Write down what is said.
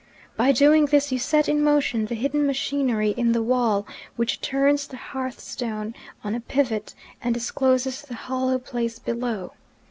By doing this, you set in motion the hidden machinery in the wall which turns the hearthstone on a pivot, and discloses the hollow place below.